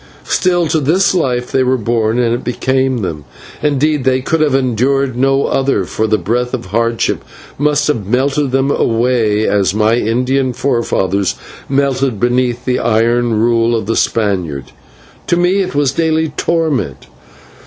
Still, to this life they were born and it became them; indeed, they could have endured no other, for the breath of hardship must have melted them away as my Indian forefathers melted beneath the iron rule of the Spaniard, but to me it was a daily torment.